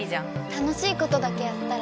楽しいことだけやったら？